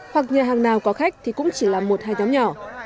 hoặc nhà hàng nào có khách thì cũng chỉ là một hai nhóm nhỏ